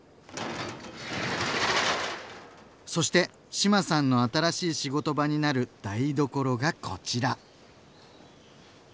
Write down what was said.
そして志麻さんの新しい仕事場になる台所がこちら。